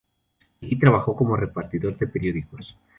Allí trabajó como repartidor de periódicos.